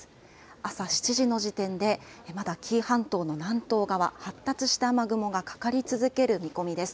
朝７時の時点で、まだ紀伊半島の南東側、発達した雨雲がかかり続ける見込みです。